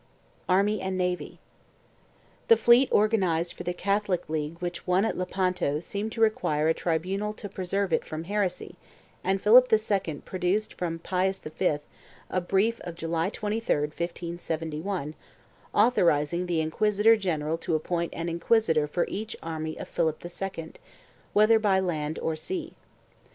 1 ARMY AND NAVY. The fleet organized for the Catholic League which won at Lepanto seemed to require a tribunal to preserve it from heresy and Philip II procured from Pius V a brief of July 23, 1571, authorizing the inquisitor general to appoint an inquisitor for each army of Philip II, whether by land or sea.